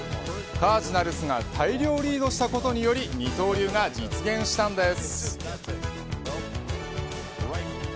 カージナルスが大量にリードしたことにより二刀流が実現したんです。